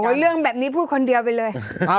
เรื่องแบบนี้พูดคนเดียวไปเลย